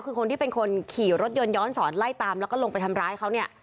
คือคนที่เป็นคนขี่รถยนต์ย้อนสอนไล่ตามแล้วก็ลงไปทำร้ายเขาเนี่ย